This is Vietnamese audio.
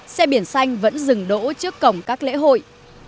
xe biển xanh vẫn dừng đỗ trước cổng các lễ hội